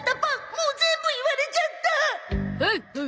もう全部言われちゃったほうほう。